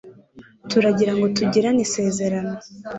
turagira ngo tugirane isezerano